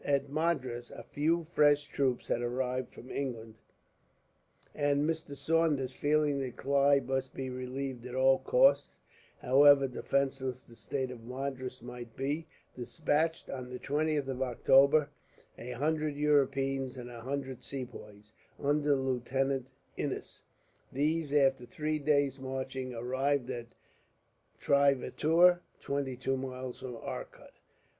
At Madras a few fresh troops had arrived from England, and Mr. Saunders, feeling that Clive must be relieved at all cost, however defenceless the state of Madras might be, despatched, on the 20th of October, a hundred Europeans and a hundred Sepoys, under Lieutenant Innis. These, after three days' marching, arrived at Trivatoor, twenty two miles from Arcot.